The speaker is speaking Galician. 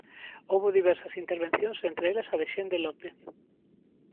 Houbo diversas intervencións, entre elas a de Xende López.